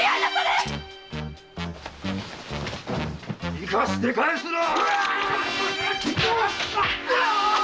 生かしてかえすな！